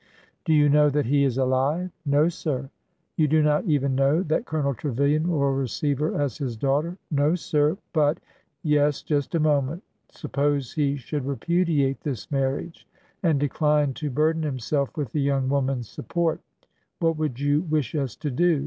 '' Do you know that he is alive ?" No, sir." You do not even know that Colonel Trevilian will receive her as his daughter ?"'' No, sir ; but—" '' Yes. Just a moment. Suppose he should repudiate this marriage and decline to burden himself with the young woman's support, what would you wish us to do?